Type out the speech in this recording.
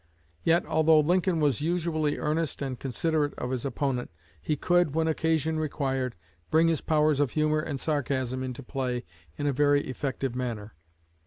Yet, although Lincoln was usually earnest and considerate of his opponent, he could, when occasion required, bring his powers of humor and sarcasm into play in a very effective manner.